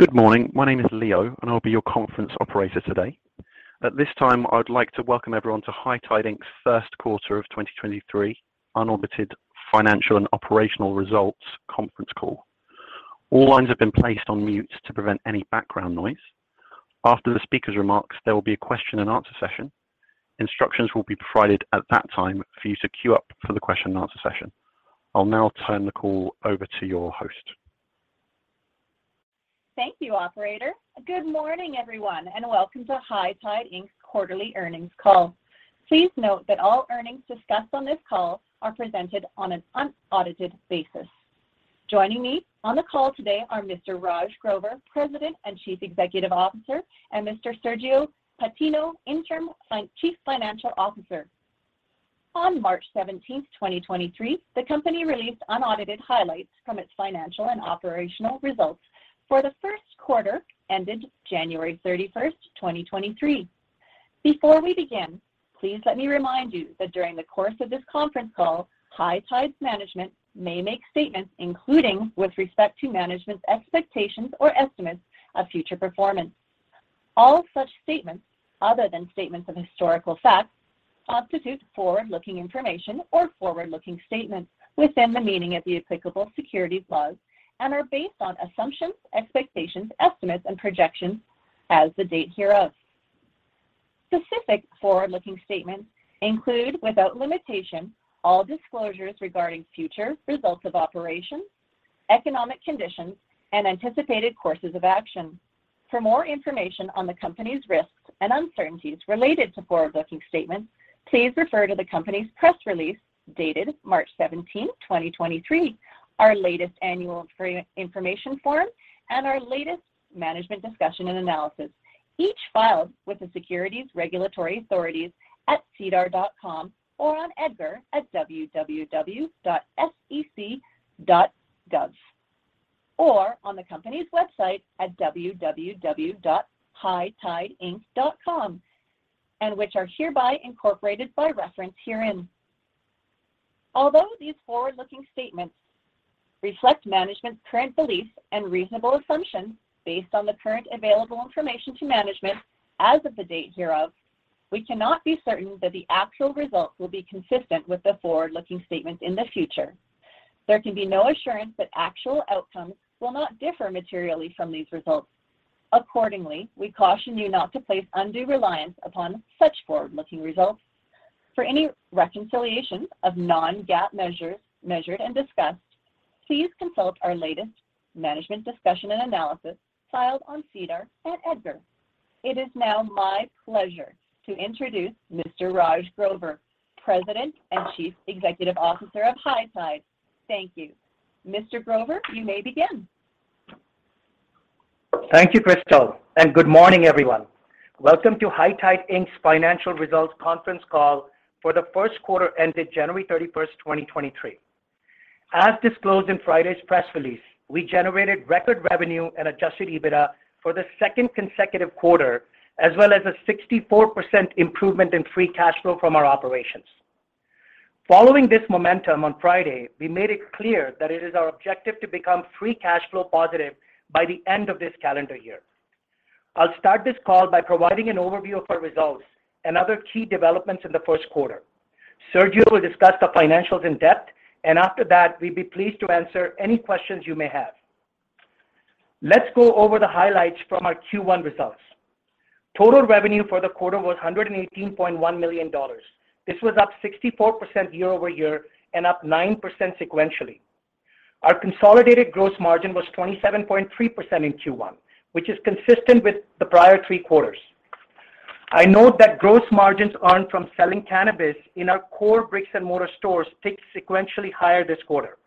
Good morning. My name is Leo, I'll be your conference operator today. At this time, I would like to welcome everyone to High Tide Inc.'s First Quarter of 2023 Unaudited Financial and Operational Results Conference Call. All lines have been placed on mute to prevent any background noise. After the speaker's remarks, there will be a question and answer session. Instructions will be provided at that time for you to queue up for the question and answer session. I'll now turn the call over to your host. Thank you, operator. Good morning, everyone, and welcome to High Tide Inc.'s Quarterly Earnings Call. Please note that all earnings discussed on this call are presented on an unaudited basis. Joining me on the call today are Mr. Raj Grover, President and Chief Executive Officer, and Mr. Sergio Patino, Interim Chief Financial Officer. On March seventeenth, 2023, the company released unaudited highlights from its financial and operational results for the first quarter ended January 31st, 2023. Before we begin, please let me remind you that during the course of this conference call, High Tide's management may make statements, including with respect to management's expectations or estimates of future performance. All such statements, other than statements of historical facts, constitute forward-looking information or forward-looking statements within the meaning of the applicable securities laws and are based on assumptions, expectations, estimates and projections as the date hereof. Specific forward-looking statements include, without limitation, all disclosures regarding future results of operations, economic conditions, and anticipated courses of action. For more information on the company's risks and uncertainties related to forward-looking statements, please refer to the company's press release dated March 17, 2023, our latest annual information form, and our latest management discussion and analysis, each filed with the securities regulatory authorities at SEDAR.com or on EDGAR at www.sec.gov or on the company's website at www.hightideinc.com, and which are hereby incorporated by reference herein. Although these forward-looking statements reflect management's current beliefs and reasonable assumptions based on the current available information to management as of the date hereof, we cannot be certain that the actual results will be consistent with the forward-looking statements in the future. There can be no assurance that actual outcomes will not differ materially from these results. Accordingly, we caution you not to place undue reliance upon such forward-looking results. For any reconciliation of non-GAAP measures measured and discussed, please consult our latest management discussion and analysis filed on SEDAR and EDGAR. It is now my pleasure to introduce Mr. Raj Grover, President and Chief Executive Officer of High Tide. Thank you. Mr. Grover, you may begin. Thank you, Krystal, and good morning, everyone. Welcome to High Tide Inc.'s financial results conference call for the first quarter ended January 31st, 2023. As disclosed in Friday's press release, we generated record revenue and Adjusted EBITDA for the second consecutive quarter, as well as a 64% improvement in free cash flow from our operations. Following this momentum on Friday, we made it clear that it is our objective to become free cash flow positive by the end of this calendar year. I'll start this call by providing an overview of our results and other key developments in the first quarter. Sergio will discuss the financials in depth, and after that, we'd be pleased to answer any questions you may have. Let's go over the highlights from our Q1 results. Total revenue for the quarter was 118.1 million dollars. This was up 64% year-over-year and up 9% sequentially. Our consolidated gross margin was 27.3% in Q1, which is consistent with the prior three quarters. I note that gross margins earned from selling cannabis in our core bricks and mortar stores ticked sequentially higher this quarter.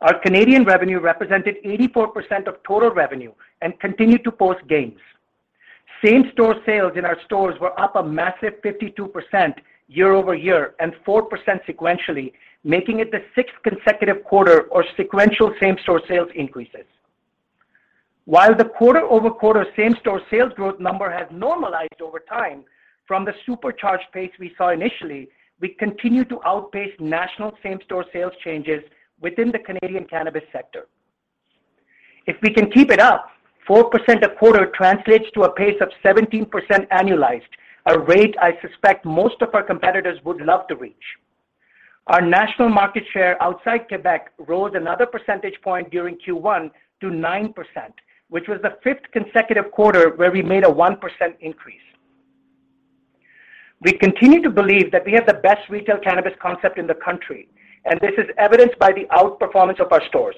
Our Canadian revenue represented 84% of total revenue and continued to post gains. Same-store sales in our stores were up a massive 52% year-over-year and 4% sequentially, making it the sixth consecutive quarter or sequential same-store sales increases. While the quarter-over-quarter same-store sales growth number has normalized over time from the supercharged pace we saw initially, we continue to outpace national same-store sales changes within the Canadian cannabis sector. If we can keep it up, 4% a quarter translates to a pace of 17% annualized, a rate I suspect most of our competitors would love to reach. Our national market share outside Quebec rose another percentage point during Q1 to 9%, which was the fifth consecutive quarter where we made a 1% increase. We continue to believe that we have the best retail cannabis concept in the country. This is evidenced by the outperformance of our stores.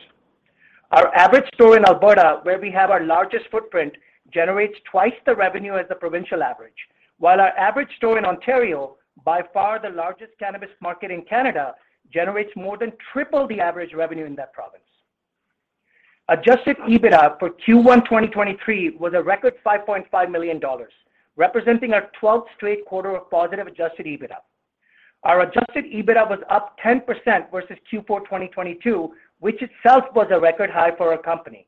Our average store in Alberta, where we have our largest footprint, generates twice the revenue as the provincial average. While our average store in Ontario, by far the largest cannabis market in Canada, generates more than triple the average revenue in that province. Adjusted EBITDA for Q1 2023 was a record 5.5 million dollars, representing our twelfth straight quarter of positive Adjusted EBITDA. Our Adjusted EBITDA was up 10% versus Q4 2022, which itself was a record high for our company,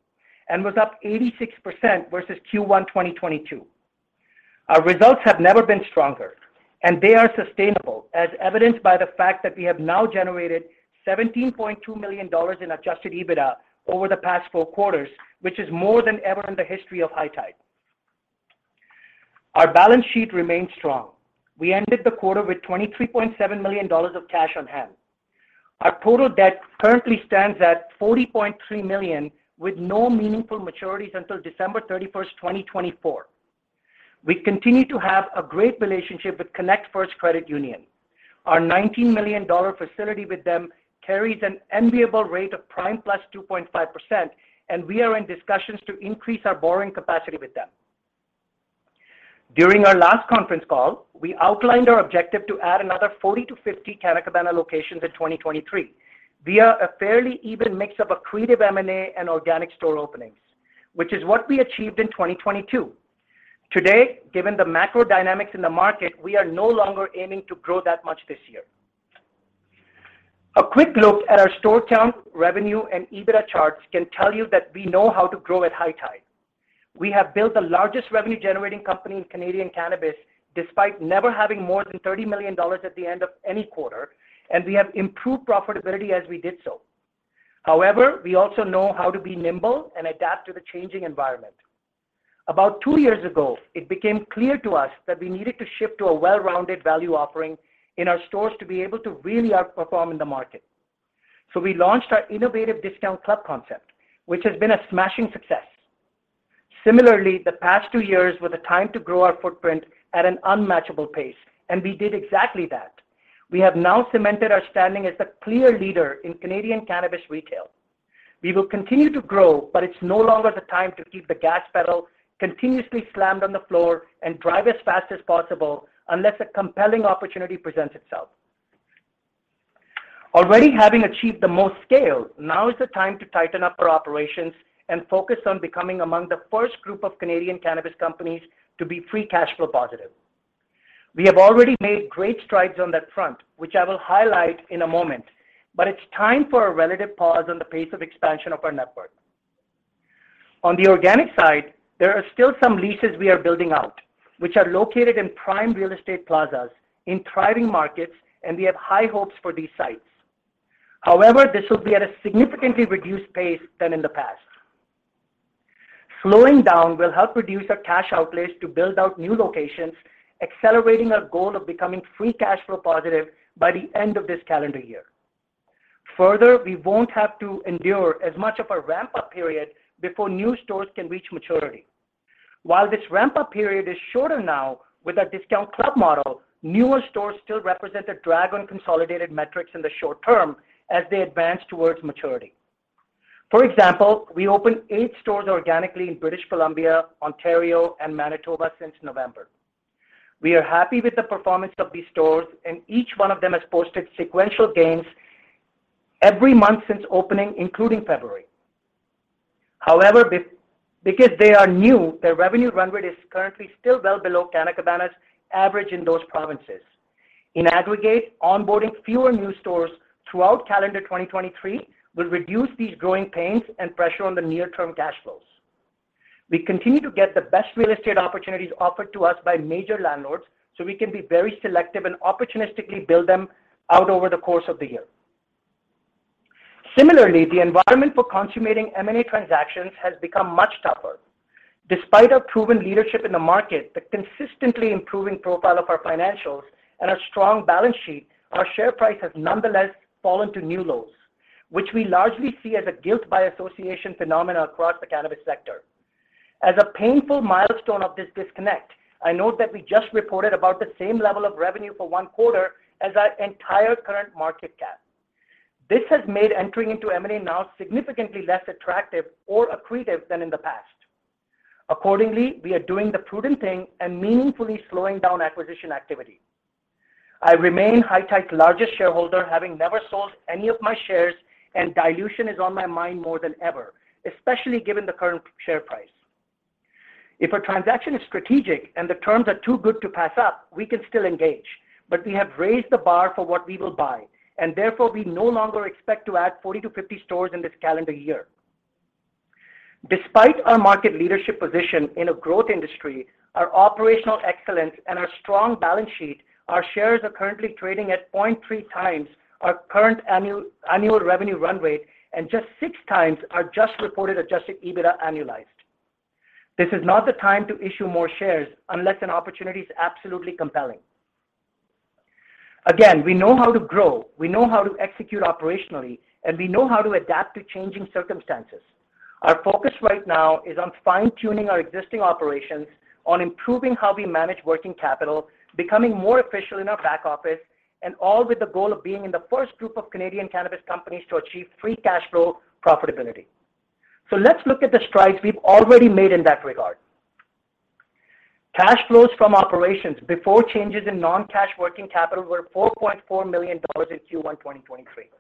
and was up 86% versus Q1 2022. Our results have never been stronger, and they are sustainable, as evidenced by the fact that we have now generated 17.2 million dollars in Adjusted EBITDA over the past four quarters, which is more than ever in the history of High Tide. Our balance sheet remains strong. We ended the quarter with 23.7 million dollars of cash on hand. Our total debt currently stands at 40.3 million, with no meaningful maturities until December 31st, 2024. We continue to have a great relationship with connectFirst Credit Union. Our 19 million dollar facility with them carries an enviable rate of prime +2.5%. We are in discussions to increase our borrowing capacity with them. During our last conference call, we outlined our objective to add another 40-50 Canna Cabana locations in 2023 via a fairly even mix of accretive M&A and organic store openings, which is what we achieved in 2022. Today, given the macro dynamics in the market, we are no longer aiming to grow that much this year. A quick look at our store count, revenue and EBITDA charts can tell you that we know how to grow at High Tide. We have built the largest revenue generating company in Canadian cannabis despite never having more than 30 million dollars at the end of any quarter. We have improved profitability as we did so. We also know how to be nimble and adapt to the changing environment. About two years ago, it became clear to us that we needed to shift to a well-rounded value offering in our stores to be able to really outperform in the market. We launched our innovative discount club concept, which has been a smashing success. The past two years were the time to grow our footprint at an unmatchable pace, and we did exactly that. We have now cemented our standing as the clear leader in Canadian cannabis retail. We will continue to grow, but it's no longer the time to keep the gas pedal continuously slammed on the floor and drive as fast as possible unless a compelling opportunity presents itself. Already having achieved the most scale, now is the time to tighten up our operations and focus on becoming among the first group of Canadian cannabis companies to be free cash flow positive. We have already made great strides on that front, which I will highlight in a moment, but it's time for a relative pause on the pace of expansion of our network. On the organic side, there are still some leases we are building out, which are located in prime real estate plazas in thriving markets, and we have high hopes for these sites. However, this will be at a significantly reduced pace than in the past. Slowing down will help reduce our cash outlays to build out new locations, accelerating our goal of becoming free cash flow positive by the end of this calendar year. We won't have to endure as much of a ramp-up period before new stores can reach maturity. While this ramp-up period is shorter now with our discount club model, newer stores still represent a drag on consolidated metrics in the short term as they advance towards maturity. For example, we opened eight stores organically in British Columbia, Ontario and Manitoba since November. We are happy with the performance of these stores, and each one of them has posted sequential gains every month since opening, including February. Because they are new, their revenue run rate is currently still well below Canna Cabana's average in those provinces. In aggregate, onboarding fewer new stores throughout calendar 2023 will reduce these growing pains and pressure on the near-term cash flows. We continue to get the best real estate opportunities offered to us by major landlords, so we can be very selective and opportunistically build them out over the course of the year. Similarly, the environment for consummating M&A transactions has become much tougher. Despite our proven leadership in the market, the consistently improving profile of our financials and our strong balance sheet, our share price has nonetheless fallen to new lows, which we largely see as a guilt by association phenomenon across the cannabis sector. As a painful milestone of this disconnect, I note that we just reported about the same level of revenue for one quarter as our entire current market cap. This has made entering into M&A now significantly less attractive or accretive than in the past. We are doing the prudent thing and meaningfully slowing down acquisition activity. I remain High Tide's largest shareholder, having never sold any of my shares, and dilution is on my mind more than ever, especially given the current share price. If a transaction is strategic and the terms are too good to pass up, we can still engage, but we have raised the bar for what we will buy, and therefore, we no longer expect to add 40-50 stores in this calendar year. Despite our market leadership position in a growth industry, our operational excellence and our strong balance sheet, our shares are currently trading at 0.3x our current annual revenue run rate and just 6x our just reported Adjusted EBITDA annualized. This is not the time to issue more shares unless an opportunity is absolutely compelling. Again, we know how to grow, we know how to execute operationally, and we know how to adapt to changing circumstances. Our focus right now is on fine-tuning our existing operations, on improving how we manage working capital, becoming more efficient in our back office, and all with the goal of being in the first group of Canadian cannabis companies to achieve free cash flow profitability. Let's look at the strides we've already made in that regard. Cash flows from operations before changes in non-cash working capital were 4.4 million dollars in Q1 2023.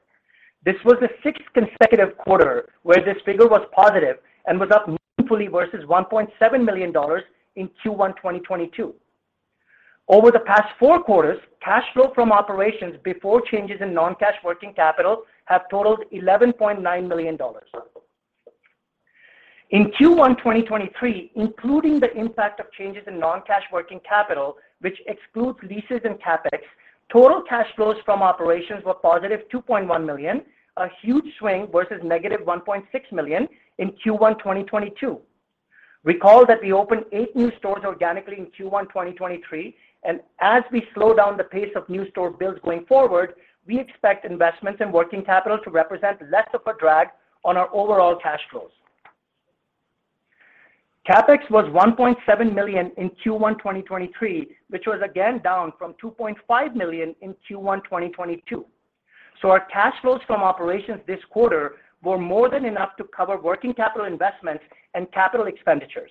This was the sixth consecutive quarter where this figure was positive and was up meaningfully versus 1.7 million dollars in Q12022. Over the past four quarters, cash flow from operations before changes in non-cash working capital have totaled 11.9 million dollars. In Q1 2023, including the impact of changes in non-cash working capital, which excludes leases and CapEx, total cash flows from operations were positive 2.1 million, a huge swing versus negative 1.6 million in Q1 2022. Recall that we opened eight new stores organically in Q1 2023, and as we slow down the pace of new store builds going forward, we expect investments in working capital to represent less of a drag on our overall cash flows. CapEx was 1.7 million in Q1 2023, which was again down from 2.5 million in Q1 2022. Our cash flows from operations this quarter were more than enough to cover working capital investments and capital expenditures.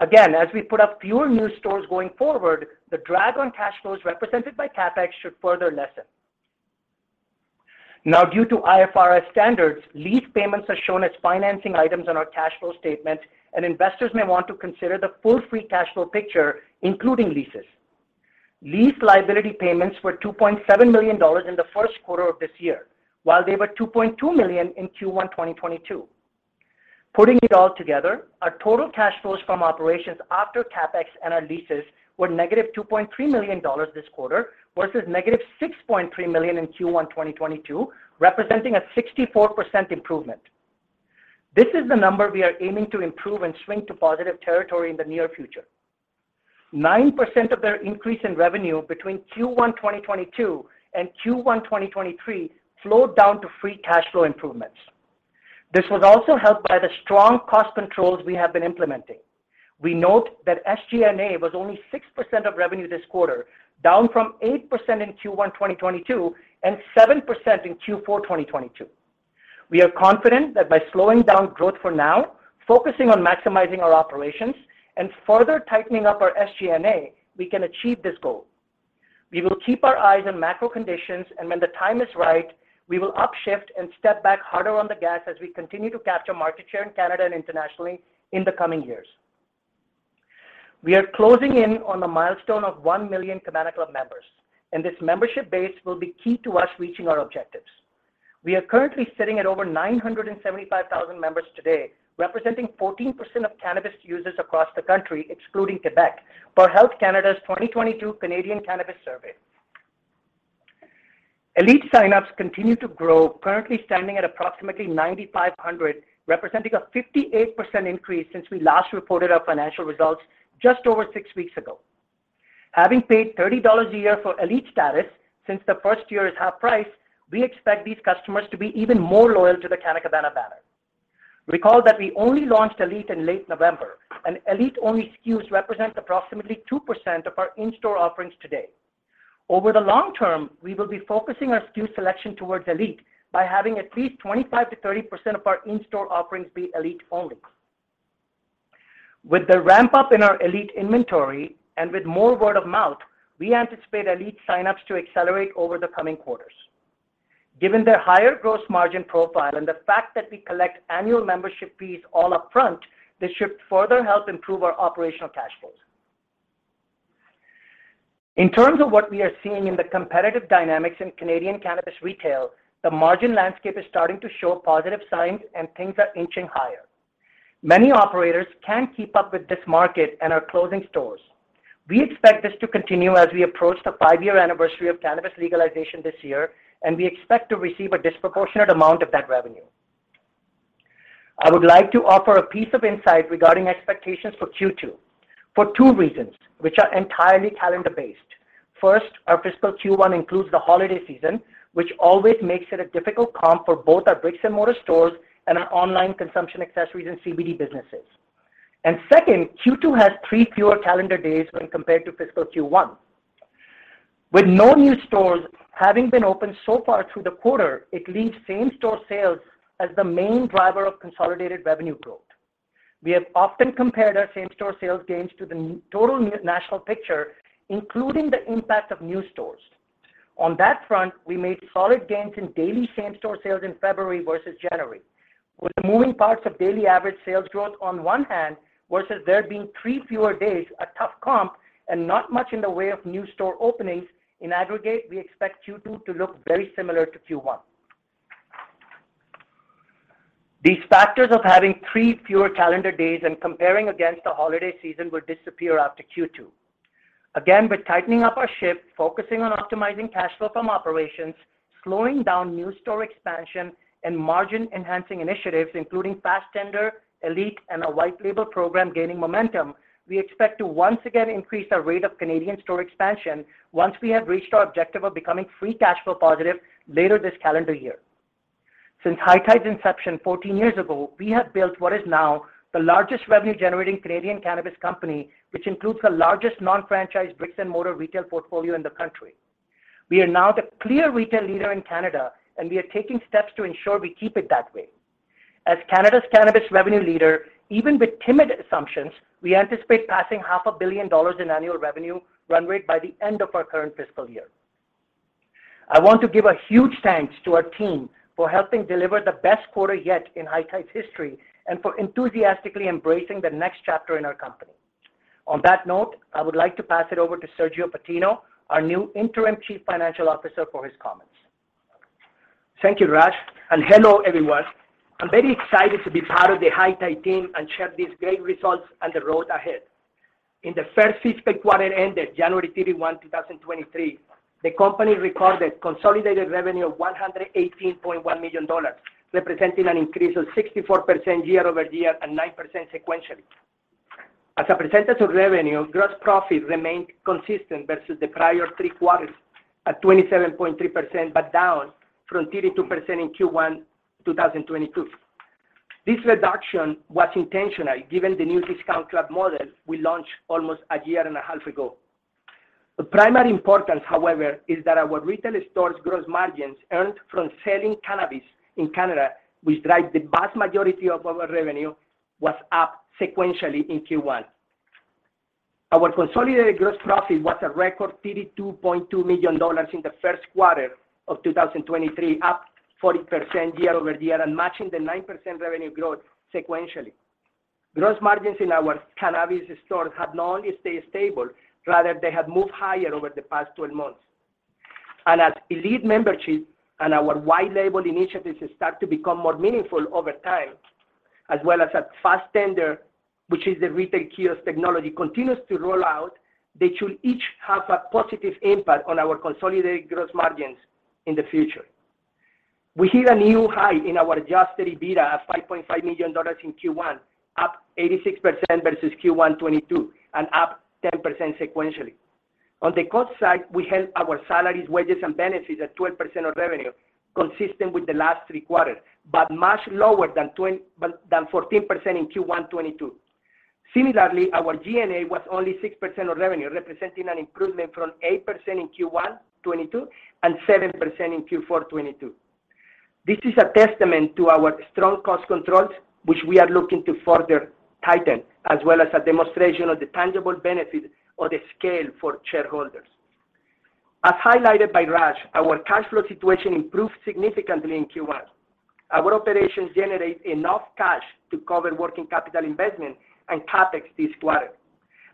Again, as we put up fewer new stores going forward, the drag on cash flows represented by CapEx should further lessen. Now, due to IFRS standards, lease payments are shown as financing items on our cash flow statement, and investors may want to consider the full free cash flow picture, including leases. Lease liability payments were 2.7 million dollars in the first quarter of this year, while they were 2.2 million in Q1 2022. Putting it all together, our total cash flows from operations after CapEx and our leases were -2.3 million dollars this quarter versus -6.3 million in Q1 2022, representing a 64% improvement. This is the number we are aiming to improve and swing to positive territory in the near future. 9% of their increase in revenue between Q1 2022 and Q1 2023 flowed down to free cash flow improvements. This was also helped by the strong cost controls we have been implementing. We note that SG&A was only 6% of revenue this quarter, down from 8% in Q1 2022 and 7% in Q4 2022. We are confident that by slowing down growth for now, focusing on maximizing our operations and further tightening up our SG&A, we can achieve this goal. We will keep our eyes on macro conditions, and when the time is right, we will up shift and step back harder on the gas as we continue to capture market share in Canada and internationally in the coming years. We are closing in on the milestone of 1 million Cabana Club members, and this membership base will be key to us reaching our objectives. We are currently sitting at over 975,000 members today, representing 14% of cannabis users across the country, excluding Quebec, per Health Canada's 2022 Canadian Cannabis Survey. ELITE sign-ups continue to grow, currently standing at approximately 9,500, representing a 58% increase since we last reported our financial results just over six weeks ago. Having paid 30 dollars a year for ELITE status since the first year is half price, we expect these customers to be even more loyal to the Canna Cabana banner. Recall that we only launched ELITE in late November, and ELITE-only SKUs represent approximately 2% of our in-store offerings today. Over the long term, we will be focusing our SKU selection towards ELITE by having at least 25%-30% of our in-store offerings be ELITE only. With the ramp-up in our ELITE inventory and with more word of mouth, we anticipate ELITE sign-ups to accelerate over the coming quarters. Given their higher gross margin profile and the fact that we collect annual membership fees all upfront, this should further help improve our operational cash flows. In terms of what we are seeing in the competitive dynamics in Canadian cannabis retail, the margin landscape is starting to show positive signs, and things are inching higher. Many operators can't keep up with this market and are closing stores. We expect this to continue as we approach the five-year anniversary of cannabis legalization this year, and we expect to receive a disproportionate amount of that revenue. I would like to offer a piece of insight regarding expectations for Q2 for two reasons, which are entirely calendar-based. First, our fiscal Q1 includes the holiday season, which always makes it a difficult comp for both our bricks-and-mortar stores and our online consumption accessories and CBD businesses. Second, Q2 has three fewer calendar days when compared to fiscal Q1. With no new stores having been opened so far through the quarter, it leaves same-store sales as the main driver of consolidated revenue growth. We have often compared our same-store sales gains to the total national picture, including the impact of new stores. On that front, we made solid gains in daily same-store sales in February versus January. With the moving parts of daily average sales growth on one hand versus there being three fewer days, a tough comp, and not much in the way of new store openings, in aggregate, we expect Q2 to look very similar to Q1. These factors of having three fewer calendar days and comparing against a holiday season will disappear after Q2. Again, with tightening up our ship, focusing on optimizing cash flow from operations, slowing down new store expansion, and margin-enhancing initiatives, including Fastendr, ELITE, and a white label program gaining momentum, we expect to once again increase our rate of Canadian store expansion once we have reached our objective of becoming free cash flow positive later this calendar year. Since High Tide's inception 14 years ago, we have built what is now the largest revenue-generating Canadian cannabis company, which includes the largest non-franchised bricks-and-mortar retail portfolio in the country. We are now the clear retail leader in Canada, and we are taking steps to ensure we keep it that way. As Canada's cannabis revenue leader, even with timid assumptions, we anticipate passing half a billion dollars in annual revenue run rate by the end of our current fiscal year. I want to give a huge thanks to our team for helping deliver the best quarter yet in High Tide's history and for enthusiastically embracing the next chapter in our company. On that note, I would like to pass it over to Sergio Patino, our new Interim Chief Financial Officer, for his comments. Thank you, Raj. Hello, everyone. I'm very excited to be part of the High Tide team and share these great results and the road ahead. In the first fiscal quarter ended January 31, 2023, the company recorded consolidated revenue of 118.1 million dollars, representing an increase of 64% year-over-year and 9% sequentially. As a percentage of revenue, gross profit remained consistent versus the prior three quarters at 27.3%, but down from 32% in Q1 2022. This reduction was intentional given the new discount club model we launched almost a year and a half ago. The primary importance, however, is that our retail stores' gross margins earned from selling cannabis in Canada, which drives the vast majority of our revenue, was up sequentially in Q1. Our consolidated gross profit was a record 32.2 million dollars in the first quarter of 2023, up 40% year-over-year and matching the 9% revenue growth sequentially. Gross margins in our cannabis stores have not only stayed stable, rather they have moved higher over the past 12 months. As ELITE membership and our white label initiatives start to become more meaningful over time, as well as at Fastendr, which is the retail kiosk technology, continues to roll out, they should each have a positive impact on our consolidated gross margins in the future. We hit a new high in our Adjusted EBITDA of 5.5 million dollars in Q1, up 86% versus Q1 2022 and up 10% sequentially. On the cost side, we held our salaries, wages, and benefits at 12% of revenue, consistent with the last three quarters, but much lower than 14% in Q1 2022. Similarly, our G&A was only 6% of revenue, representing an improvement from 8% in Q1 2022 and 7% in Q4 2022. This is a testament to our strong cost controls, which we are looking to further tighten, as well as a demonstration of the tangible benefit of the scale for shareholders. As highlighted by Raj, our cash flow situation improved significantly in Q1. Our operations generate enough cash to cover working capital investment and CapEx this quarter,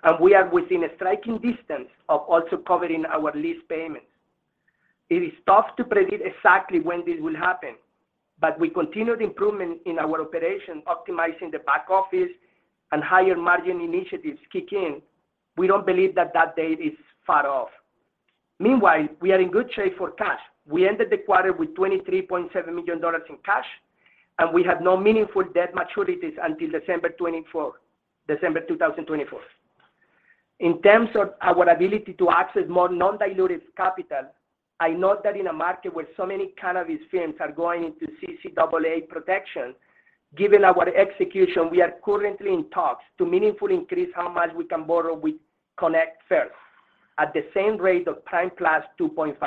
and we are within a striking distance of also covering our lease payments. It is tough to predict exactly when this will happen, with continued improvement in our operation optimizing the back office and higher-margin initiatives kick in, we don't believe that that date is far off. Meanwhile, we are in good shape for cash. We ended the quarter with 23.7 million dollars in cash, and we have no meaningful debt maturities until December 2024. In terms of our ability to access more non-dilutive capital, I note that in a market where so many cannabis firms are going into CCAA protection, given our execution, we are currently in talks to meaningfully increase how much we can borrow with connectFirst at the same rate of prime +2.5%.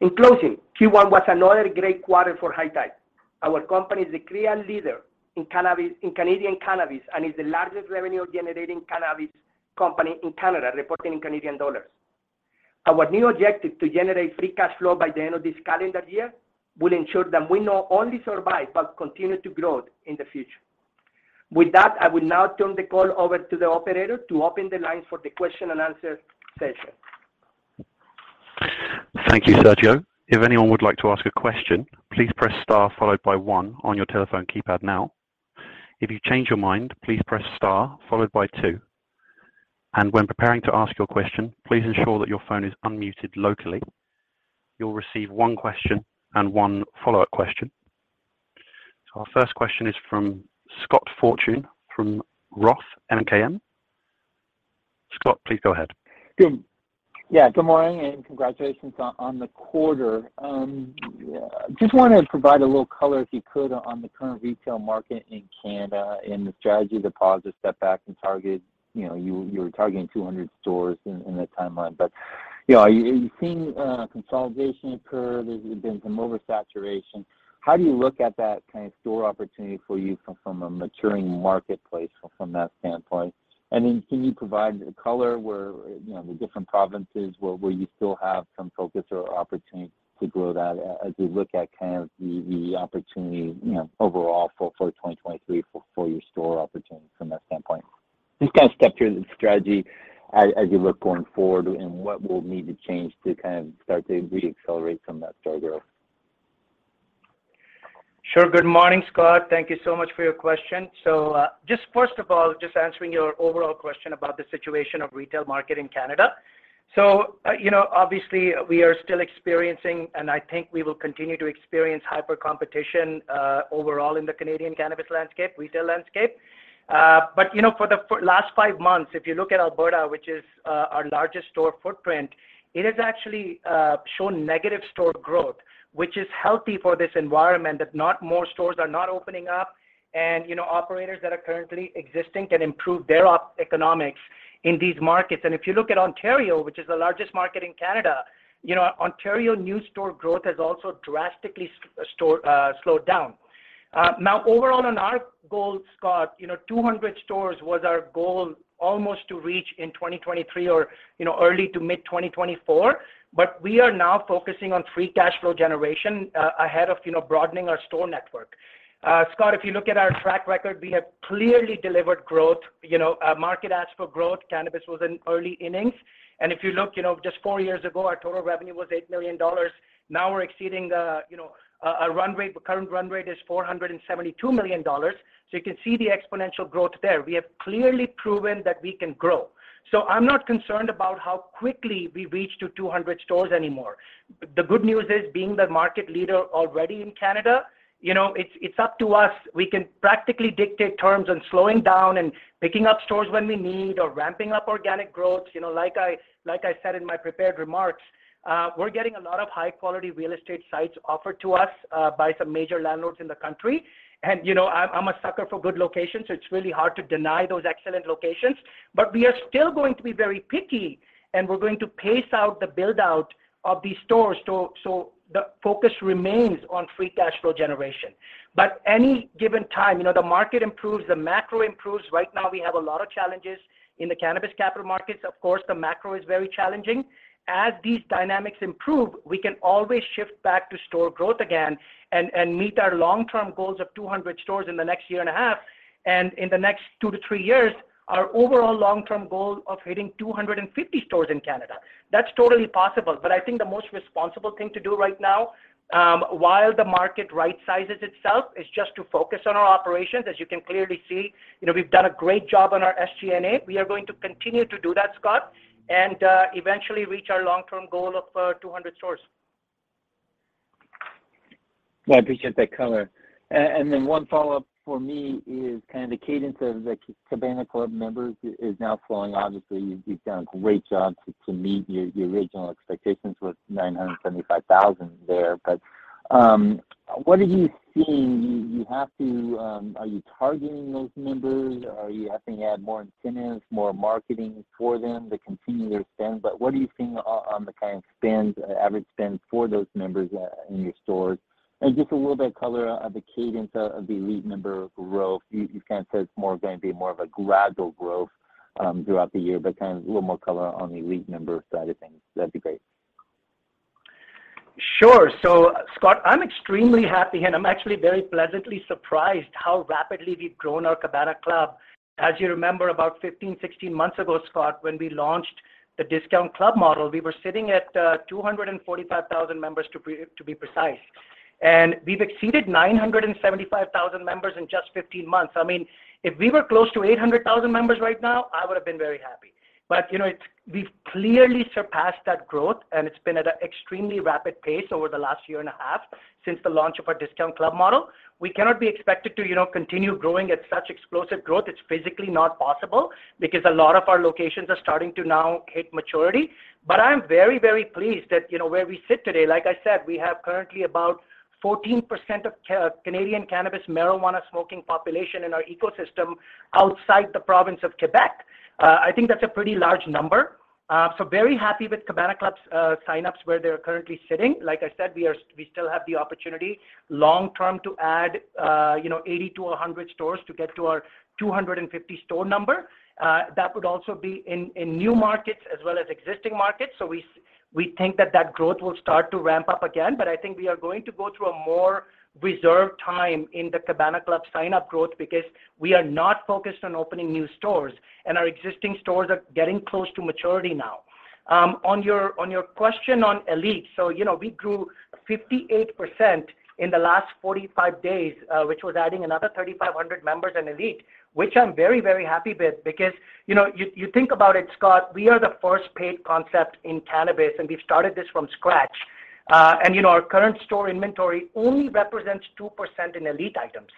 In closing, Q1 was another great quarter for High Tide. Our company is the clear leader in Canadian cannabis and is the largest revenue-generating cannabis company in Canada, reporting in Canadian dollars. Our new objective to generate free cash flow by the end of this calendar year will ensure that we not only survive, but continue to grow in the future. With that, I will now turn the call over to the operator to open the lines for the question and answer session. Thank you, Sergio. If anyone would like to ask a question, please press star followed by one on your telephone keypad now. If you change your mind, please press star followed by two. When preparing to ask your question, please ensure that your phone is unmuted locally. You'll receive one question and one follow-up question. Our first question is from Scott Fortune from ROTH MKM. Scott, please go ahead. Good. Good morning, congratulations on the quarter. Just wanted to provide a little color if you could on the current retail market in Canada, the strategy to pause or step back and target... You know, you were targeting 200 stores in that timeline. You know, are you seeing consolidation occur? There's been some oversaturation. How do you look at that kind of store opportunity for you from a maturing marketplace from that standpoint? Can you provide color where, you know, the different provinces, where you still have some focus or opportunity to grow that as you look at kind of the opportunity, you know, overall for 2023 for your store opportunity from that standpoint? Kind of step through the strategy as you look going forward and what will need to change to kind of start to reaccelerate some of that store growth. Sure. Good morning, Scott. Thank you so much for your question. Just first of all, just answering your overall question about the situation of retail market in Canada. You know, obviously we are still experiencing, and I think we will continue to experience hyper competition overall in the Canadian cannabis landscape, retail landscape. You know, for the last five months, if you look at Alberta, which is our largest store footprint, it has actually shown negative store growth, which is healthy for this environment, that not more stores are not opening up and, you know, operators that are currently existing can improve their op economics in these markets. If you look at Ontario, which is the largest market in Canada, you know, Ontario new store growth has also drastically slowed down. Now overall on our goals, Scott, you know, 200 stores was our goal almost to reach in 2023 or, you know, early to mid 2024, but we are now focusing on free cash flow generation, ahead of, you know, broadening our store network. Scott, if you look at our track record, we have clearly delivered growth, you know, market ask for growth. Cannabis was in early innings. If you look, you know, just four years ago, our total revenue was $8 million. Now we're exceeding the, you know, a run rate, current run rate is $472 million. You can see the exponential growth there. We have clearly proven that we can grow. I'm not concerned about how quickly we reach to 200 stores anymore. The good news is, being the market leader already in Canada, you know, it's up to us. We can practically dictate terms on slowing down and picking up stores when we need or ramping up organic growth. You know, like I, like I said in my prepared remarks, we're getting a lot of high quality real estate sites offered to us by some major landlords in the country. You know, I'm a sucker for good locations, so it's really hard to deny those excellent locations. We are still going to be very picky, and we're going to pace out the build-out of these stores so the focus remains on free cash flow generation. Any given time, you know, the market improves, the macro improves. Right now we have a lot of challenges in the cannabis capital markets. Of course, the macro is very challenging. As these dynamics improve, we can always shift back to store growth again and meet our long-term goals of 200 stores in the next year and a half. In the next two-three years, our overall long-term goal of hitting 250 stores in Canada. That's totally possible. I think the most responsible thing to do right now, while the market right-sizes itself, is just to focus on our operations. As you can clearly see, you know, we've done a great job on our SG&A. We are going to continue to do that, Scott, and eventually reach our long-term goal of 200 stores. I appreciate that color. One follow-up for me is kind of the cadence of the Cabana Club members is now flowing. Obviously you've done a great job to meet your original expectations with 975,000 there. What are you seeing you have to... are you targeting those members? Are you having to add more incentives, more marketing for them to continue their spend? What are you seeing on the kind of spend, average spend for those members in your stores? Just a little bit of color of the cadence of the ELITE member growth. You kind of said it's going to be more of a gradual growth throughout the year, kind of a little more color on the ELITE member side of things. That'd be great. Sure. Scott, I'm extremely happy, and I'm actually very pleasantly surprised how rapidly we've grown our Cabana Club. As you remember about 15, 16 months ago, Scott, when we launched the discount club model, we were sitting at 245,000 members to be precise. We've exceeded 975,000 members in just 15 months. I mean, if we were close to 800,000 members right now, I would have been very happy. You know, we've clearly surpassed that growth and it's been at an extremely rapid pace over the last year and a half since the launch of our discount club model. We cannot be expected to, you know, continue growing at such explosive growth. It's physically not possible because a lot of our locations are starting to now hit maturity. I'm very, very pleased at, you know, where we sit today. Like I said, we have currently about 14% of Canadian cannabis marijuana smoking population in our ecosystem outside the province of Quebec. I think that's a pretty large number. Very happy with Cabana Club's sign-ups where they're currently sitting. Like I said, we still have the opportunity long-term to add, you know, 80 to 100 stores to get to our 250 store number. That would also be in new markets as well as existing markets. We think that that growth will start to ramp up again. I think we are going to go through a more reserved time in the Cabana Club sign-up growth because we are not focused on opening new stores and our existing stores are getting close to maturity now. On your question on ELITE, you know, we grew 58% in the last 45 days, which was adding another 3,500 members in ELITE, which I'm very, very happy with because, you know, you think about it, Scott, we are the first paid concept in cannabis, we've started this from scratch. You know, our current store inventory only represents 2% in ELITE items.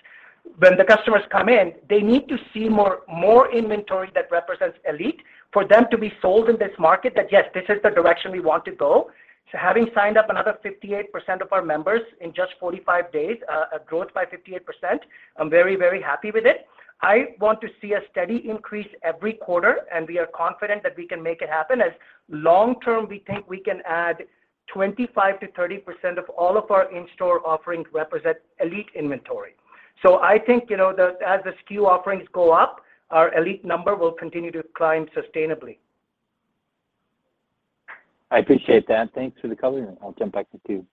When the customers come in, they need to see more inventory that represents ELITE for them to be sold in this market that, yes, this is the direction we want to go. Having signed up another 58% of our members in just 45 days, a growth by 58%, I'm very, very happy with it. I want to see a steady increase every quarter. We are confident that we can make it happen as long-term, we think we can add 25%-30% of all of our in-store offerings represent ELITE inventory. I think, you know, the, as the SKU offerings go up, our ELITE number will continue to climb sustainably. I appreciate that. Thanks for the color, and I'll jump back to queue.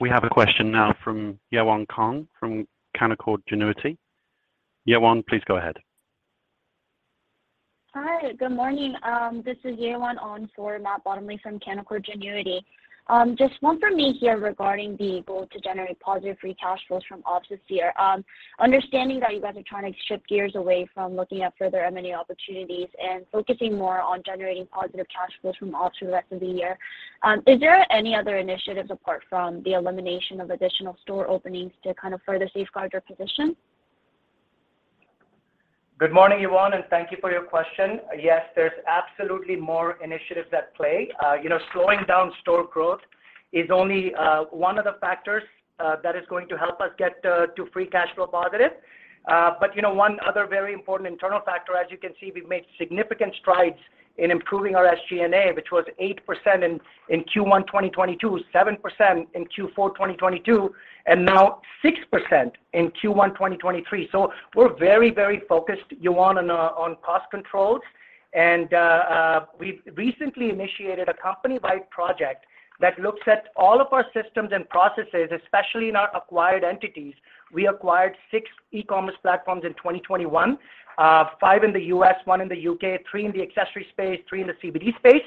We have a question now from Yewon Kang from Canaccord Genuity. Yewon, please go ahead. Hi, good morning. This is Yewon on for Matt Bottomley from Canaccord Genuity. Just one for me here regarding the goal to generate positive free cash flows from ops this year. Understanding that you guys are trying to shift gears away from looking at further M&A opportunities and focusing more on generating positive cash flows from ops through the rest of the year, is there any other initiatives apart from the elimination of additional store openings to kind of further safeguard your position? Good morning, Yewon. Thank you for your question. Yes, there's absolutely more initiatives at play. you know, slowing down store growth is only one of the factors that is going to help us get to free cash flow positive. You know, one other very important internal factor, as you can see, we've made significant strides in improving our SG&A, which was 8% in Q1 2022, 7% in Q4 2022, and now 6% in Q1 2023. We're very, very focused, Yewon, on cost controls. We've recently initiated a company-wide project that looks at all of our systems and processes, especially in our acquired entities. We acquired six e-commerce platforms in 2021, five in the U.S., one in the U.K., three in the accessory space, three in the CBD space.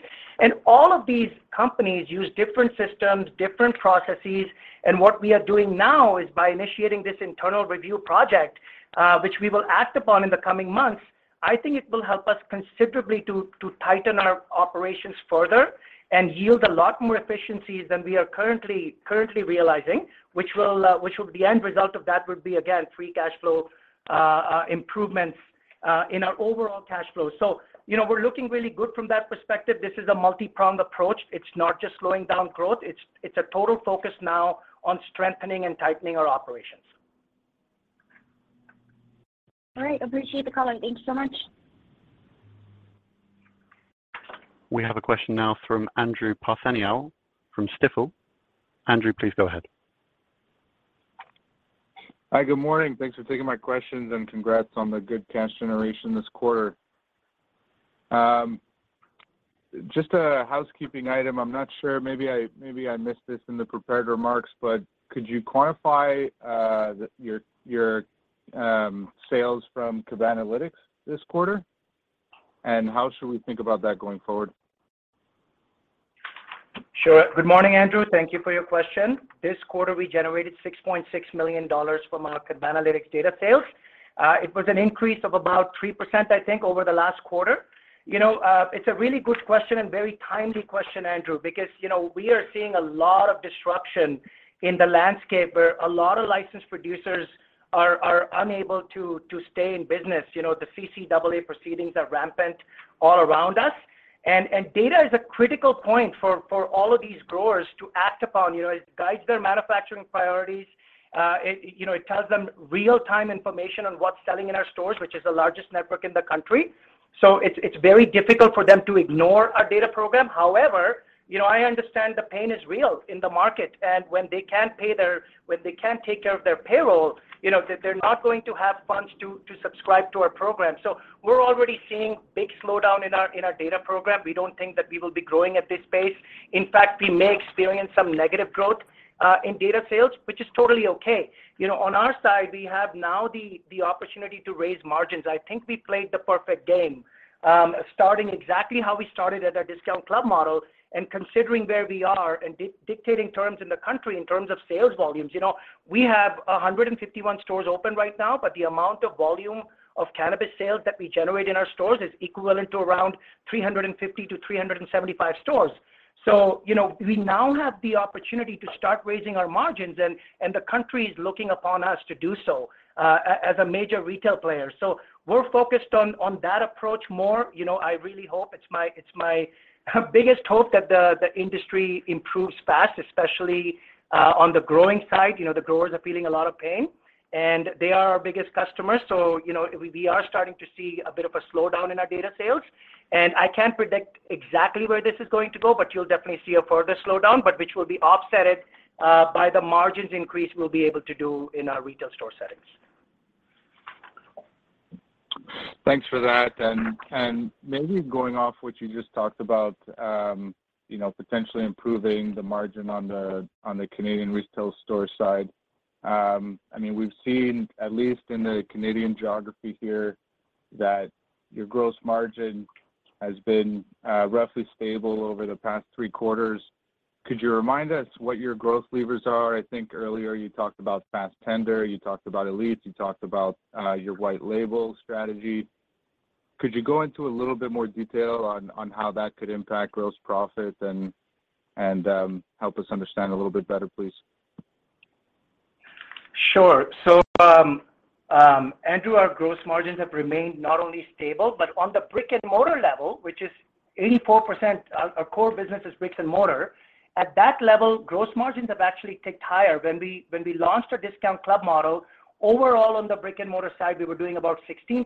All of these companies use different systems, different processes, and what we are doing now is by initiating this internal review project, which we will act upon in the coming months, I think it will help us considerably to tighten our operations further and yield a lot more efficiencies than we are currently realizing, which will the end result of that will be, again, free cash flow improvements in our overall cash flow. You know, we're looking really good from that perspective. This is a multipronged approach. It's not just slowing down growth. It's a total focus now on strengthening and tightening our operations. All right. Appreciate the color. Thank you so much. We have a question now from Andrew Partheniou from Stifel. Andrew, please go ahead. Hi. Good morning. Thanks for taking my questions. Congrats on the good cash generation this quarter. Just a housekeeping item. I'm not sure, maybe I missed this in the prepared remarks, but could you quantify your sales from Cabanalytics this quarter? How should we think about that going forward? Sure. Good morning, Andrew. Thank you for your question. This quarter, we generated 6.6 million dollars from our Cabanalytics data sales. It was an increase of about 3%, I think, over the last quarter. You know, it's a really good question and very timely question, Andrew, because, you know, we are seeing a lot of disruption in the landscape where a lot of licensed producers are unable to stay in business. You know, the CCAA proceedings are rampant all around us, and data is a critical point for all of these growers to act upon. You know, it guides their manufacturing priorities. It, you know, it tells them real-time information on what's selling in our stores, which is the largest network in the country. It's very difficult for them to ignore our data program. You know, I understand the pain is real in the market, and when they can't take care of their payroll, you know, they're not going to have funds to subscribe to our program. We're already seeing big slowdown in our data program. We don't think that we will be growing at this pace. In fact, we may experience some negative growth in data sales, which is totally okay. You know, on our side, we have now the opportunity to raise margins. I think we played the perfect game, starting exactly how we started as a discount club model and considering where we are and dictating terms in the country in terms of sales volumes. You know, we have 151 stores open right now, but the amount of volume of cannabis sales that we generate in our stores is equivalent to around 350-375 stores. You know, we now have the opportunity to start raising our margins, and the country is looking upon us to do so as a major retail player. We're focused on that approach more. You know, I really hope. It's my biggest hope that the industry improves fast, especially on the growing side. You know, the growers are feeling a lot of pain, and they are our biggest customers. You know, we are starting to see a bit of a slowdown in our data sales, and I can't predict exactly where this is going to go, but you'll definitely see a further slowdown, but which will be offsetted by the margins increase we'll be able to do in our retail store settings. Thanks for that. Maybe going off what you just talked about, you know, potentially improving the margin on the, on the Canadian retail store side, I mean, we've seen at least in the Canadian geography here that your gross margin has been roughly stable over the past three quarters. Could you remind us what your growth levers are? I think earlier you talked about Fastendr, you talked about ELITE, you talked about your white label strategy. Could you go into a little bit more detail on how that could impact gross profit and help us understand a little bit better, please? Sure. Andrew, our gross margins have remained not only stable, but on the brick-and-mortar level, which is 84%. Our core business is bricks and mortar. At that level, gross margins have actually ticked higher. When we launched our discount club model, overall on the brick-and-mortar side, we were doing about 16%.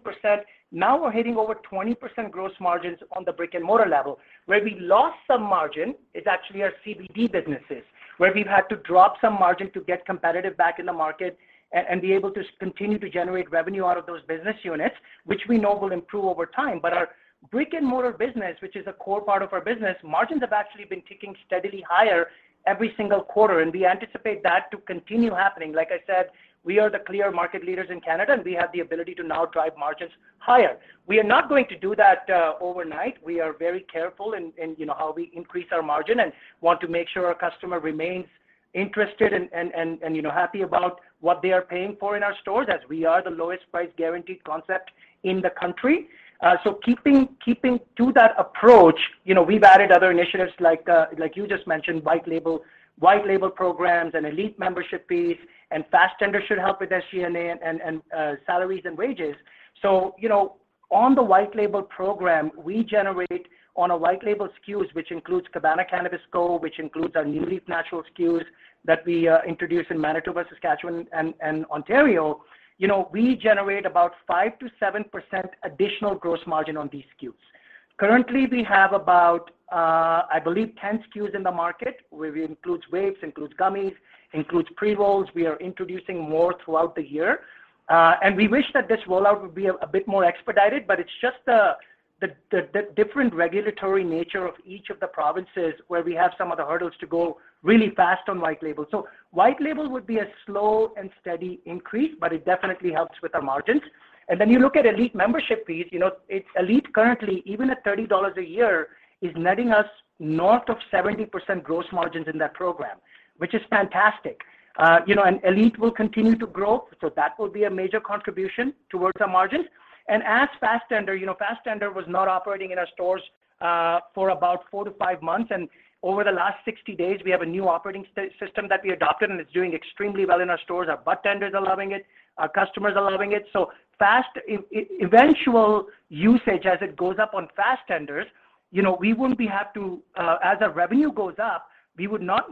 Now we're hitting over 20% gross margins on the brick-and-mortar level. Where we lost some margin is actually our CBD businesses, where we've had to drop some margin to get competitive back in the market and be able to continue to generate revenue out of those business units, which we know will improve over time. Our brick-and-mortar business, which is a core part of our business, margins have actually been ticking steadily higher every single quarter, and we anticipate that to continue happening. Like I said, we are the clear market leaders in Canada, and we have the ability to now drive margins higher. We are not going to do that, overnight. We are very careful in, you know, how we increase our margin and want to make sure our customer remains interested and, you know, happy about what they are paying for in our stores as we are the lowest price guaranteed concept in the country. Keeping to that approach, you know, we've added other initiatives like you just mentioned, white label programs and ELITE membership fees, and Fastendr should help with SG&A and salaries and wages. you know, on a white label program, we generate on a white label SKUs, which includes Cabana Cannabis Co., which includes our NuLeaf Naturals SKUs that we introduced in Manitoba, Saskatchewan and Ontario. You know, we generate about 5%-7% additional gross margin on these SKUs. Currently, we have about, I believe, 10 SKUs in the market, where we includes vapes, includes gummies, includes pre-rolls. We are introducing more throughout the year. We wish that this rollout would be a bit more expedited, but it's just the different regulatory nature of each of the provinces where we have some of the hurdles to go really fast on white label. white label would be a slow and steady increase, but it definitely helps with our margins. You look at ELITE membership fees, you know, it's ELITE currently, even at 30 dollars a year, is netting us north of 70% gross margins in that program, which is fantastic. You know, ELITE will continue to grow, that will be a major contribution towards our margins. As Fastendr, you know, Fastendr was not operating in our stores for about four to five months. Over the last 60 days, we have a new operating system that we adopted, it's doing extremely well in our stores. Our budtenders are loving it. Our customers are loving it. Fast eventual usage as it goes up on Fastendr, you know, we wouldn't be have to, as our revenue goes up, we would not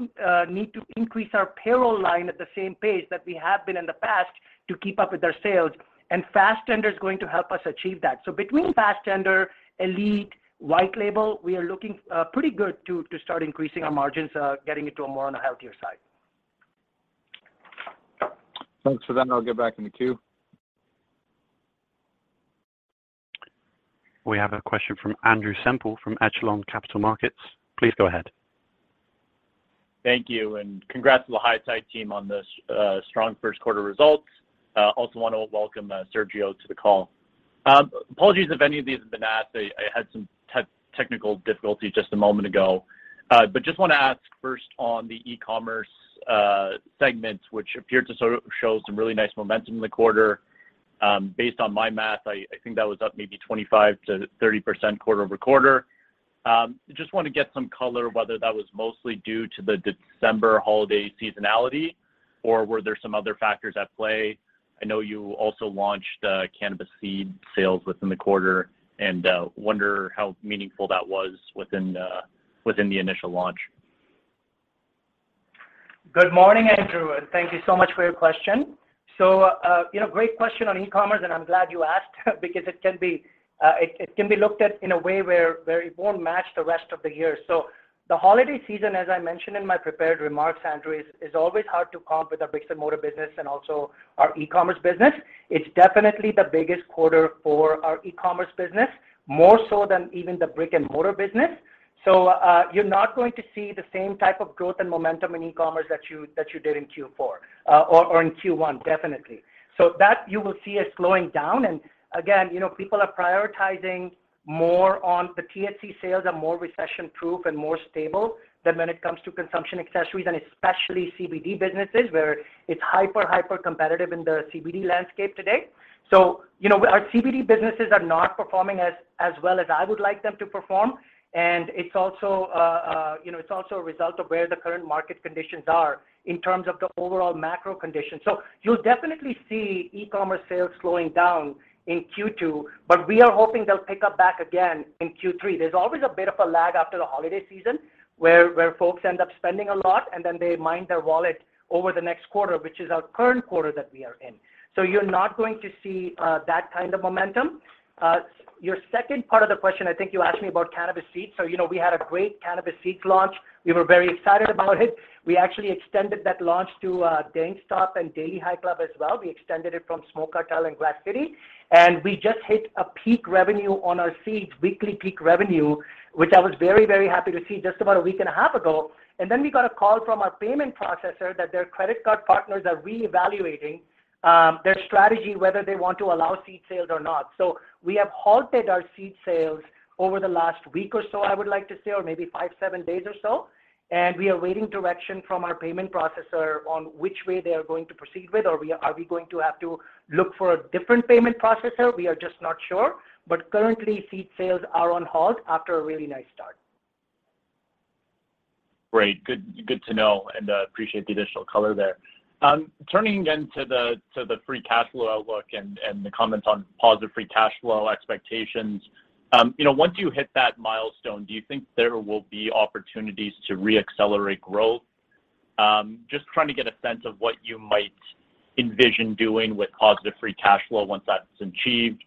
need to increase our payroll line at the same pace that we have been in the past to keep up with our sales. Fastendr is going to help us achieve that. Between Fastendr, ELITE, White Label, we are looking pretty good to start increasing our margins, getting it to a more on a healthier side. Thanks for that. I'll get back in the queue. We have a question from Andrew Semple from Echelon Capital Markets. Please go ahead. Thank you. Congrats to the High Tide team on the strong first quarter results. Also want to welcome Sergio to the call. Apologies if any of these have been asked. I had some technical difficulty just a moment ago. Just want to ask first on the e-commerce segment, which appeared to sort of show some really nice momentum in the quarter. Based on my math, I think that was up maybe 25%-30% quarter-over-quarter. Just want to get some color whether that was mostly due to the December holiday seasonality, or were there some other factors at play? I know you also launched cannabis seed sales within the quarter and wonder how meaningful that was within the initial launch. Good morning, Andrew. Thank you so much for your question. You know, great question on e-commerce, and I'm glad you asked because it can be looked at in a way where it won't match the rest of the year. The holiday season, as I mentioned in my prepared remarks, Andrew, is always hard to comp with our bricks and mortar business and also our e-commerce business. It's definitely the biggest quarter for our e-commerce business, more so than even the brick and mortar business. You're not going to see the same type of growth and momentum in e-commerce that you did in Q4 or in Q1, definitely. That you will see us slowing down. Again, you know, people are prioritizing more on the THC sales are more recession-proof and more stable than when it comes to consumption accessories, and especially CBD businesses, where it's hyper competitive in the CBD landscape today. You know, our CBD businesses are not performing as well as I would like them to perform. It's also, you know, a result of where the current market conditions are in terms of the overall macro conditions. You'll definitely see e-commerce sales slowing down in Q2, but we are hoping they'll pick up back again in Q3. There's always a bit of a lag after the holiday season where folks end up spending a lot, and then they mind their wallet over the next quarter, which is our current quarter that we are in. You're not going to see that kind of momentum. Your second part of the question, I think you asked me about cannabis seeds. You know, we had a great cannabis seeds launch. We were very excited about it. We actually extended that launch to DankStop and Daily High Club as well. We extended it from Smoke Cartel and Grasscity. We just hit a peak revenue on our seeds, weekly peak revenue, which I was very happy to see just about 1.5 weeks ago. We got a call from our payment processor that their credit card partners are reevaluating their strategy, whether they want to allow seed sales or not. We have halted our seed sales over the last week or so, I would like to say, or maybe five-seven days or so. We are waiting direction from our payment processor on which way they are going to proceed with, or are we going to have to look for a different payment processor? We are just not sure. Currently, seed sales are on halt after a really nice start. Great. Good, good to know, and appreciate the additional color there. Turning again to the free cash flow outlook and the comments on positive free cash flow expectations. You know, once you hit that milestone, do you think there will be opportunities to re-accelerate growth? Just trying to get a sense of what you might envision doing with positive free cash flow once that's achieved.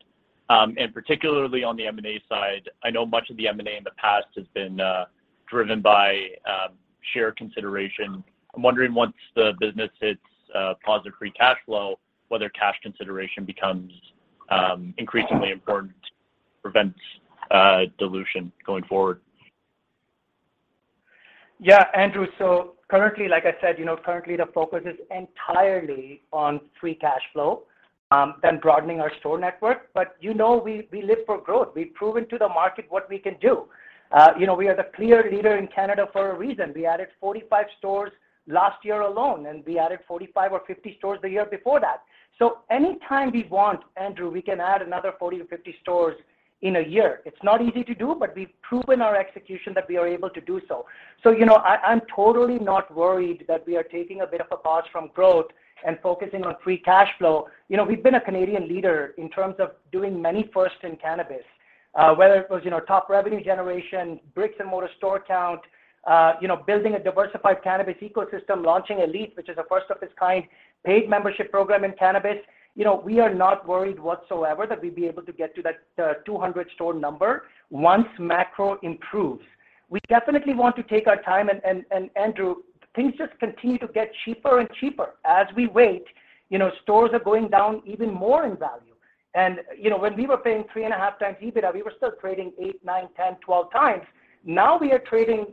Particularly on the M&A side, I know much of the M&A in the past has been driven by share consideration. I'm wondering once the business hits positive free cash flow, whether cash consideration becomes increasingly important to prevent dilution going forward. Yeah, Andrew. Currently, like I said, you know, currently the focus is entirely on free cash flow, then broadening our store network. You know, we live for growth. We've proven to the market what we can do. You know, we are the clear leader in Canada for a reason. We added 45 stores last year alone, and we added 45 or 50 stores the year before that. Anytime we want, Andrew, we can add another 40 to 50 stores in a year. It's not easy to do, but we've proven our execution that we are able to do so. You know, I'm totally not worried that we are taking a bit of a pause from growth and focusing on free cash flow. You know, we've been a Canadian leader in terms of doing many firsts in cannabis, whether it was, you know, top revenue generation, bricks and mortar store count, you know, building a diversified cannabis ecosystem, launching ELITE, which is a first of its kind paid membership program in cannabis. You know, we are not worried whatsoever that we'd be able to get to that 200 store number once macro improves. We definitely want to take our time, and Andrew, things just continue to get cheaper and cheaper. As we wait, you know, stores are going down even more in value. You know, when we were paying 3.5x EBITDA, we were still trading 8x, 9x, 10x, 12x. Now, we are trading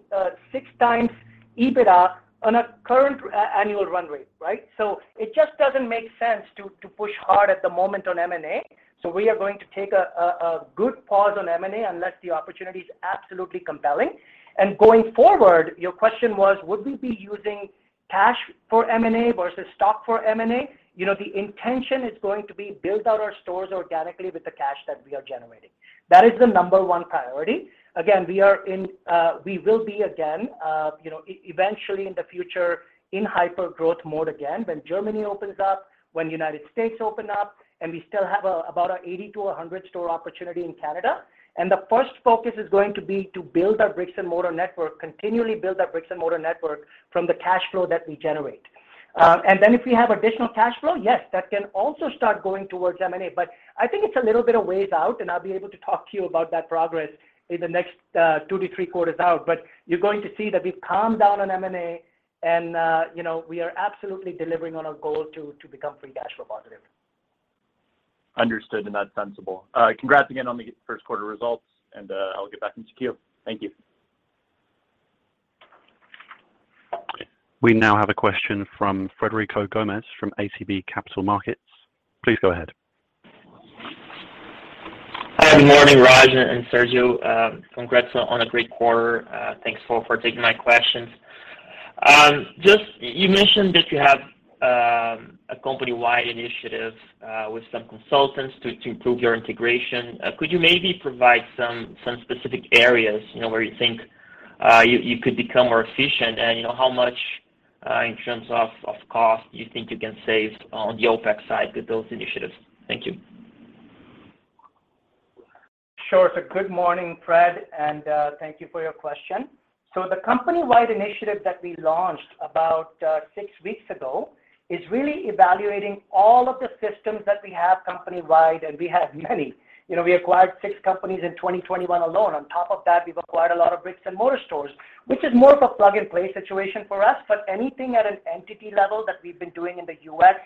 6x EBITDA on a current annual run rate, right? It just doesn't make sense to push hard at the moment on M&A. We are going to take a good pause on M&A, unless the opportunity is absolutely compelling. Going forward, your question was would we be using cash for M&A versus stock for M&A? You know, the intention is going to be build out our stores organically with the cash that we are generating. That is the number one priority. Again, we will be again, you know, eventually in the future in hypergrowth mode again, when Germany opens up, when United States open up, and we still have about a 80 to 100 store opportunity in Canada. The first focus is going to be to build our bricks and mortar network, continually build our bricks and mortar network from the cash flow that we generate. If we have additional cash flow, yes, that can also start going towards M&A. I think it's a little bit a ways out, and I'll be able to talk to you about that progress in the next two to three quarters out. You're going to see that we've calmed down on M&A, and we are absolutely delivering on our goal to become free cash flow positive. Understood, and that's sensible. Congrats again on the first quarter results, and, I'll get back into queue. Thank you. We now have a question from Frederico Gomes from ATB Capital Markets. Please go ahead. Hi, good morning, Raj and Sergio. Congrats on a great quarter. Thanks for taking my questions. Just you mentioned that you have a company-wide initiative with some consultants to improve your integration. Could you maybe provide some specific areas, you know, where you think you could become more efficient? You know, how much in terms of cost you think you can save on the OpEx side with those initiatives? Thank you. Sure. Good morning, Fred, and thank you for your question. The company-wide initiative that we launched about six weeks ago is really evaluating all of the systems that we have company-wide, and we have many. You know, we acquired six companies in 2021 alone. On top of that, we've acquired a lot of bricks and mortar stores, which is more of a plug-and-play situation for us. Anything at an entity level that we've been doing in the U.S.,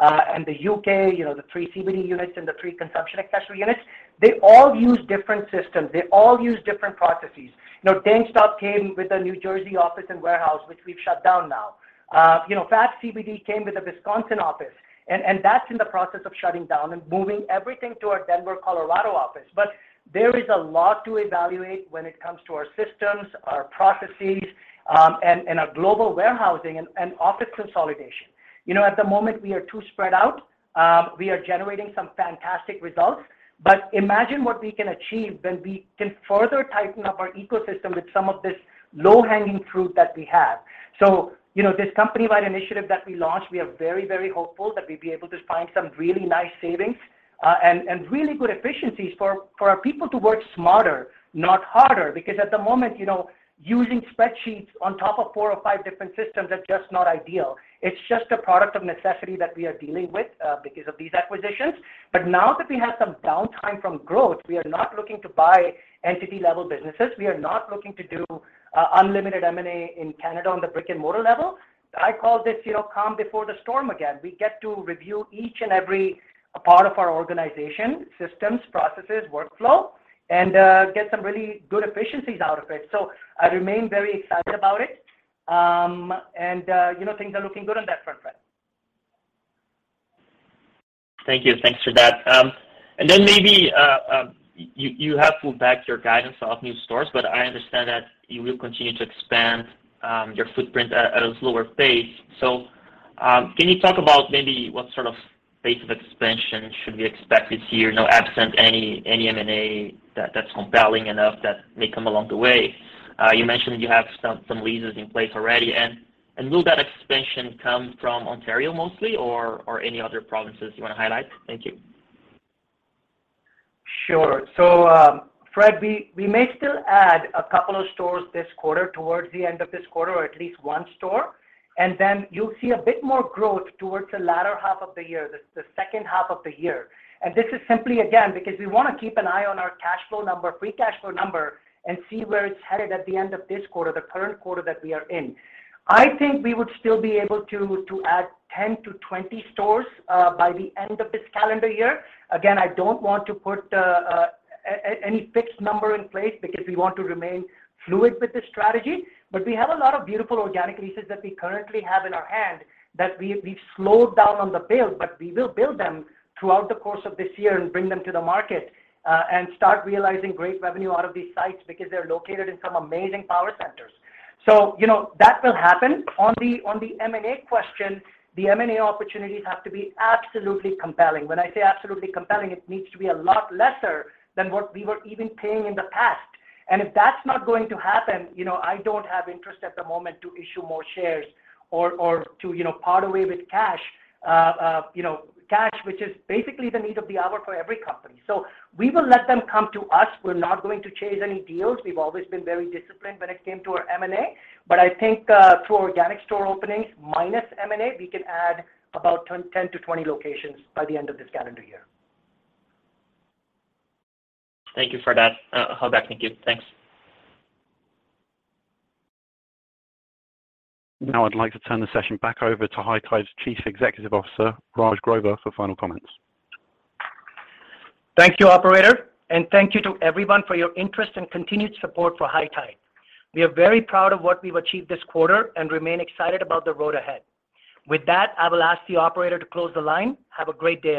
and the U.K., you know, the pre-CBD units and the pre-consumption accessory units, they all use different systems. They all use different processes. You know, DankStop came with a New Jersey office and warehouse, which we've shut down now. You know, FABCBD came with a Wisconsin office, and that's in the process of shutting down and moving everything to our Denver, Colorado office. There is a lot to evaluate when it comes to our systems, our processes, and our global warehousing and office consolidation. You know, at the moment we are too spread out. We are generating some fantastic results, but imagine what we can achieve when we can further tighten up our ecosystem with some of this low-hanging fruit that we have. You know, this company-wide initiative that we launched, we are very, very hopeful that we'd be able to find some really nice savings, and really good efficiencies for our people to work smarter, not harder. At the moment, you know, using spreadsheets on top of four or five different systems is just not ideal. It's just a product of necessity that we are dealing with because of these acquisitions. Now that we have some downtime from growth, we are not looking to buy entity-level businesses. We are not looking to do unlimited M&A in Canada on the brick-and-mortar level. I call this, you know, calm before the storm again. We get to review each and every part of our organization, systems, processes, workflow, and get some really good efficiencies out of it. I remain very excited about it. You know, things are looking good on that front, Fred. Thank you. Thanks for that. Then maybe you have pulled back your guidance off new stores, but I understand that you will continue to expand your footprint at a slower pace. Can you talk about maybe what sort of pace of expansion should be expected here, you know, absent any M&A that's compelling enough that may come along the way? You mentioned you have some leases in place already. Will that expansion come from Ontario mostly or any other provinces you wanna highlight? Thank you. Sure. Fred, we may still add a couple of stores this quarter towards the end of this quarter or at least one store, and then you'll see a bit more growth towards the latter half of the year, the second half of the year. This is simply, again, because we wanna keep an eye on our cash flow number, free cash flow number and see where it's headed at the end of this quarter, the current quarter that we are in. I think we would still be able to add 10 to 20 stores by the end of this calendar year. I don't want to put any fixed number in place because we want to remain fluid with this strategy, but we have a lot of beautiful organic leases that we currently have in our hand that we've slowed down on the build, but we will build them throughout the course of this year and bring them to the market and start realizing great revenue out of these sites because they're located in some amazing power centers. You know, that will happen. On the M&A question, the M&A opportunities have to be absolutely compelling. When I say absolutely compelling, it needs to be a lot lesser than what we were even paying in the past. If that's not going to happen, you know, I don't have interest at the moment to issue more shares or to, you know, part away with cash, which is basically the need of the hour for every company. We will let them come to us. We're not going to chase any deals. We've always been very disciplined when it came to our M&A. I think, through organic store openings minus M&A, we could add about 10 to 20 locations by the end of this calendar year. Thank you for that. I'll get back to you. Thanks. Now I'd like to turn the session back over to High Tide's Chief Executive Officer, Raj Grover, for final comments. Thank you, operator, and thank you to everyone for your interest and continued support for High Tide. We are very proud of what we've achieved this quarter and remain excited about the road ahead. With that, I will ask the operator to close the line. Have a great day.